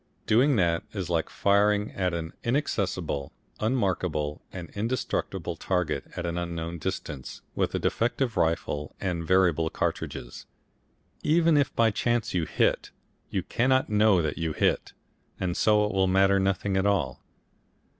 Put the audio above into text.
Doing that is like firing at an inaccessible, unmarkable and indestructible target at an unknown distance, with a defective rifle and variable cartridges. Even if by chance you hit, you cannot know that you hit, and so it will matter nothing at all.